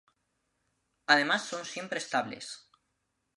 Además son siempre estables.